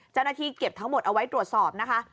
เจ้าหน้าที่เก็บทั้งหมดเอาไว้ตรวจสอบนะคะ